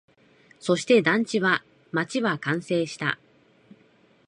そして、団地は、街は完成した